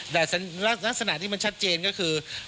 แต่ลักษณะที่มันชัดเจนก็คือ